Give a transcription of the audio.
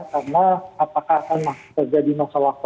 karena apakah akan terjadi nosa wakto